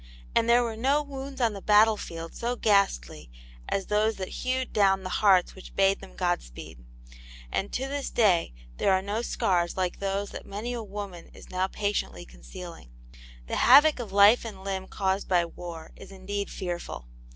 And there were no wounds on the battle field so ghastly as those that hewed down the hearts which bade them God speed, and to this day there are no scars like those that many a woman is now patiently concealing. The havoc of life and limb caused by war is indeed fearful.